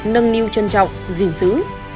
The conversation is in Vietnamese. nâng niu trân trọng gìn xứ